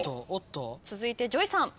続いてＪＯＹさん。